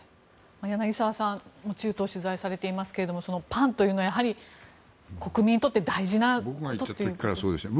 柳澤さん、中東を取材されていますけれどもパンというのは国民にとって大事なことですね。